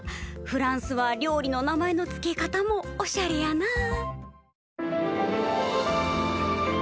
フランスは料理の名前の付け方もおしゃれやな。